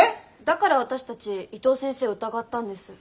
だから私たち伊藤先生を疑ったんです。